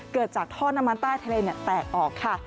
เกิดจากท่อน้ำมันใต้ทะเลแตกออกค่ะ